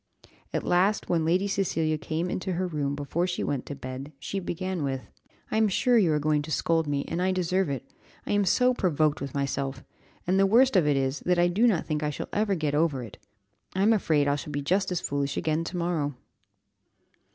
At last, when Lady Cecilia came into her room before she went to bed, she began with "I am sure you are going to scold me, and I deserve it, I am so provoked with myself, and the worst of it is, that I do not think I shall ever get over it I am afraid I shall be just as foolish again tomorrow."